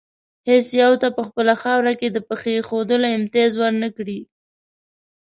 هېڅ یو ته په خپله خاوره کې د پښې ایښودلو امتیاز ور نه کړي.